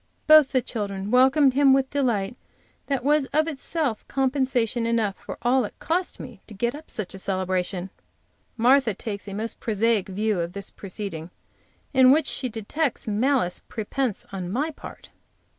Both the children welcomed him with delight that was itself compensation enough for all it cost me to get up such a celebration. Martha takes a most prosaic view of this proceeding, in which she detects malice prepense on my part.